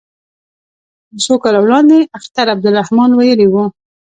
څو کاله وړاندې اختر عبدالرحمن ویلي وو.